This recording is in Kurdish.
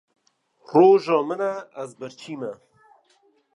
Roja min e ez birçî me.